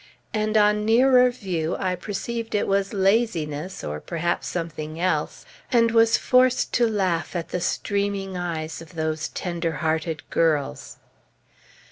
and on nearer view, I perceived it was laziness, or perhaps something else, and was forced to laugh at the streaming eyes of those tender hearted girls.